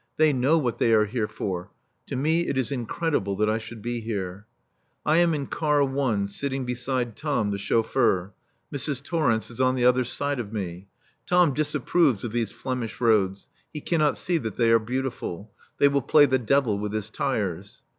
They know what they are here for. To me it is incredible that I should be here. I am in Car 1., sitting beside Tom, the chauffeur; Mrs. Torrence is on the other side of me. Tom disapproves of these Flemish roads. He cannot see that they are beautiful. They will play the devil with his tyres.